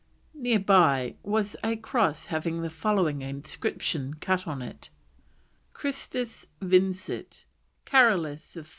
Near by was a cross having the following inscription cut on it: CHRISTUS VINCIT, CAROLUS III.